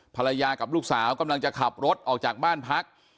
ภรรยากับลูกสาวกำลังจะขับรถออกจากบ้านพัก